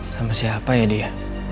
sama siapa ya dia